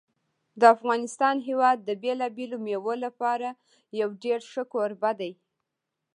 د افغانستان هېواد د بېلابېلو مېوو لپاره یو ډېر ښه کوربه دی.